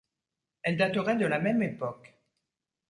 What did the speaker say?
Elle daterait de la même époque.